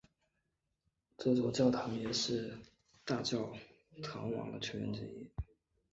这座教堂也是大教堂网的成员之一。